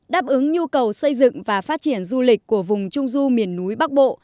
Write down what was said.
đáp ứng nhu cầu xây dựng và phát triển du lịch của vùng trung du miền núi bắc bộ